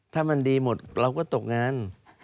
ถ้ามันดีหมดเราก็ตกงาน